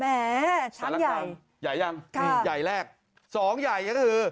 แหมช้างยังใหญ่ยังค่ะใหญ่แรกสองใหญ่ก็คือ